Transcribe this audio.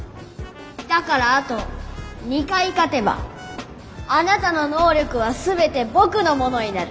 だからあと２回勝てばあなたの「能力」は全てぼくのものになる。